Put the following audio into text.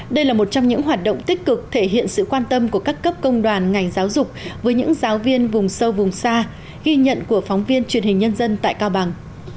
đây là một trong những hoạt động tích cực thể hiện sự quan tâm của các cấp công đoàn ngành giáo dục với những giáo viên vùng sâu vùng xa ghi nhận của phóng viên truyền hình nhân dân tại cao bằng